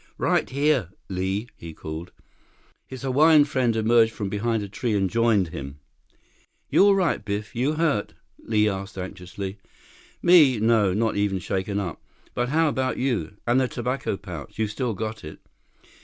"Right here, Li," he called. His Hawaiian friend emerged from behind a tree and joined him. "You all right, Biff? You hurt?" Li asked anxiously. "Me? No. Not even shaken up. But how about you? And the tobacco pouch. You've still got it?"